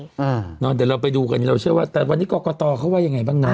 เดี๋ยวเราไปดูกันเราเชื่อว่าแต่วันนี้กรกตเขาว่ายังไงบ้างนะ